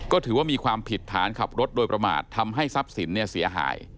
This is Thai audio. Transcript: ก็ถือว่ามีความผิดฐานขับรถโดยประมาททำให้ทรัพย์สินเสียหาย